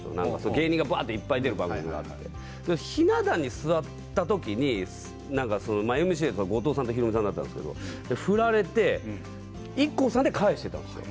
芸人がいっぱい出る番組があってひな壇に座った時にＭＣは後藤さんとヒロミさんだったんですけど振られてＩＫＫＯさんで返していたんです。